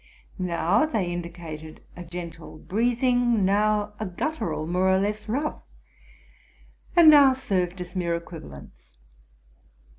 Now they indicated a gentle breathing, now a guttu ral more or less rough, and now served as mere equivalents.